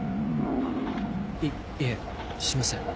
いいえしません。